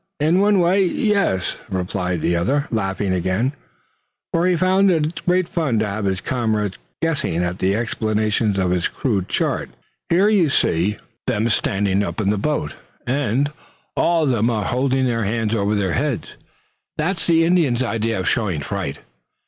"In one way, yes," replied the other, laughing again, for he found it great fun to have his comrades guessing at the explanation of his crude chart. "Here you see them standing up in the boat, and all of them are holding their hands over their heads. That is the Indian's idea of showing fright."